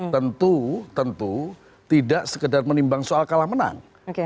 tentu tentu tidak sekedar menimbang soal kalah menang